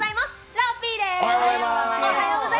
ラッピーでーす！